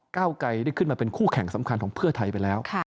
เก้าไกรได้ขึ้นมาเป็นคู่แข่งสำคัญของเพื่อไทยไปแล้ว